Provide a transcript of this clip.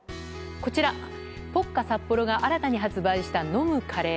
こちら、ポッカサッポロが新たに発売した飲むカレー。